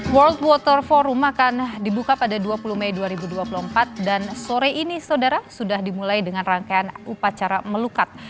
world water forum akan dibuka pada dua puluh mei dua ribu dua puluh empat dan sore ini saudara sudah dimulai dengan rangkaian upacara melukat